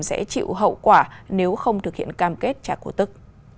sẽ chịu hậu quả nếu không thực hiện cam kết trả cổ tức